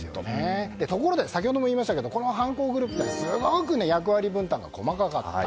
ところで先ほども言いましたがこの犯行グループはすごく役割分担が細かかった。